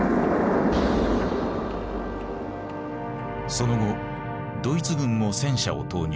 その後ドイツ軍も戦車を投入。